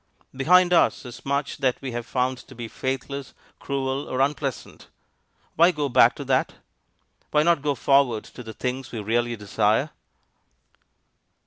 Behind us is much that we have found to be faithless, cruel, or unpleasant. Why go back to that? Why not go forward to the things we really desire?